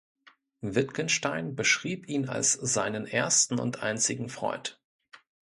Wittgenstein beschrieb ihn als seinen ersten und einzigen Freund.